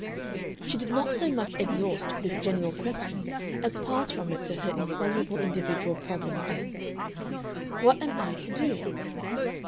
She did not so much exhaust this general question as pass from it to her insoluble individual problem again: "What am I to do?"